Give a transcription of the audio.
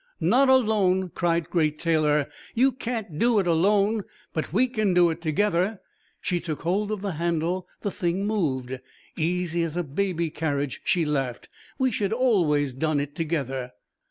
"Not alone," cried Great Taylor. "You can't do it alone! But we can do it together!" She took hold of the handle. The thing moved. "Easy as a baby carriage," she laughed. "We should always done it together...."